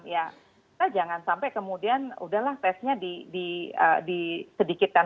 kita jangan sampai kemudian udahlah tesnya di sedikitkan